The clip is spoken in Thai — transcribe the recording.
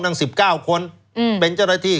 ตั้ง๑๙คนเป็นเจ้าละที่